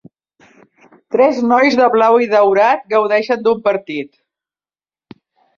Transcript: Tres nois de blau i daurat gaudeixen d'un partit.